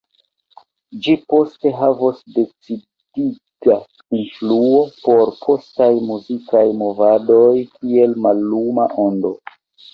Ĝi poste havos decidiga influo por postaj muzikaj movadoj kiel malluma ondo.